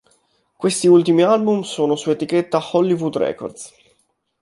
Questi ultimi album sono su etichetta Hollywood Records.